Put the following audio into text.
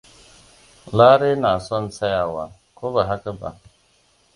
Lare na son tsayawa, ko ba haka ba?